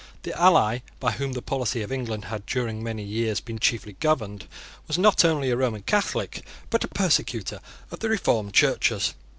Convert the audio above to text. The ally by whom the policy of England had, during many years, been chiefly governed, was not only a Roman Catholic, but a persecutor of the reformed Churches.